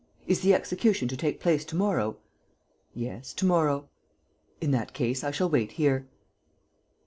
Is the execution to take place to morrow?" "Yes, to morrow." "In that case, I shall wait here."